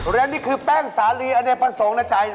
เมื่อกี้คือแป้งสาลีอเนต์ประสงค์นะไอ้ชาย